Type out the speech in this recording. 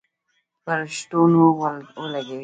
په رشوتونو ولګولې.